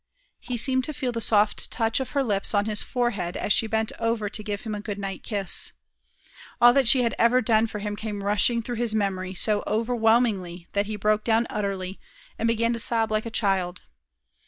He seemed to feel the soft touch of her lips on his forehead as she bent over to give him a goodnight kiss. All that she had ever done for him came rushing through his memory so overwhelmingly that he broke down utterly, and began to sob like a child.